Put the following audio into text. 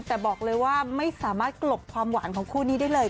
แต่บอกเลยว่าไม่สามารถกลบความหวานของคู่นี้ได้เลย